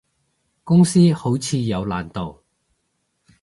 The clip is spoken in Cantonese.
公司好似有難度